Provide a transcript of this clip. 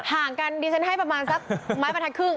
ห่างกันดิฉันให้ประมาณสักไม้ประทัดครึ่ง